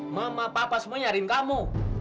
mama papa semua nyariin kamu